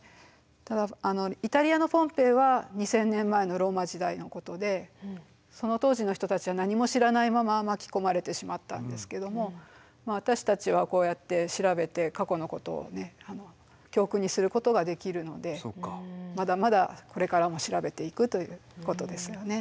ただイタリアのポンペイは２，０００年前のローマ時代のことでその当時の人たちは何も知らないまま巻き込まれてしまったんですけども私たちはこうやって調べて過去のことを教訓にすることができるのでまだまだこれからも調べていくということですよね。